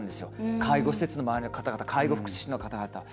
介護施設の周りの方々介護福祉士の方々